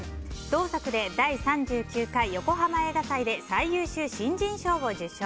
同作で第３９回ヨコハマ映画祭で最優秀新人賞を受賞。